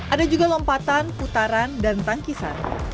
ada juga lompatan putaran dan tangkisan